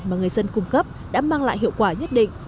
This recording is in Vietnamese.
mà người dân cung cấp đã mang lại hiệu quả nhất định